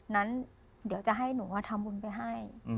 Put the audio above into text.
นั้นเดี๋ยวจะให้หนูทำบุญไปให้